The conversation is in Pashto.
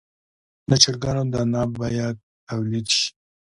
د چرګانو دانه باید تولید شي.